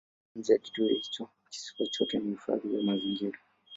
Nje ya kituo hicho kisiwa chote ni hifadhi ya mazingira.